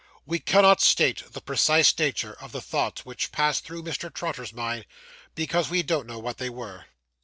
We cannot state the precise nature of the thoughts which passed through Mr. Trotter's mind, because we don't know what they were.